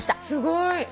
すごい！